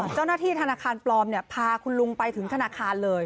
เจ้าหน้าที่ธนาคารปลอมพาคุณลุงไปถึงธนาคารเลย